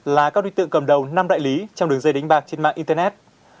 là các đối tượng cầm đầu năm đại lý trong đường dây đánh bạc trên mạng internet